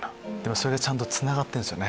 それがちゃんとつながってるんですよね。